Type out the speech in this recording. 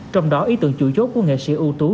trong đó ý tưởng chủ chốt của nghệ sĩ ưu tú